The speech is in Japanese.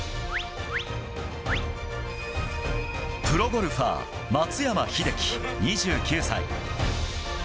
プロゴルファー松山英樹、２９歳。